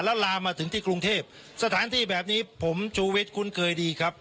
แล้วลามาถึงที่กรุงเทพสถานที่แบบนี้ผมชูวิทย์คุ้นเคยดีครับ